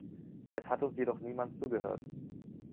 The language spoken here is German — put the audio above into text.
Es hat uns jedoch niemand zugehört.